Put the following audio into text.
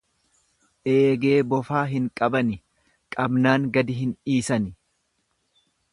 Eegee bofaa hin qabani, qabnaan gadi hin-dhiisani.